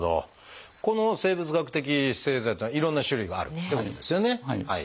この生物学的製剤っていうのはいろんな種類があるってことですよね。